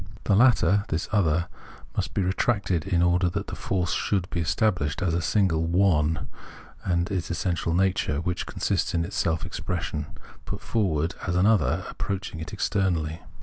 The latter (this other) must be retracted, in order that force should be estabhshed as a single " one," and its essential nature — which consists in self expression — put forward as an other, approaching it externally.